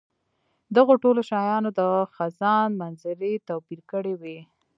دغو ټولو شیانو د خزان منظرې توپیر کړی وو.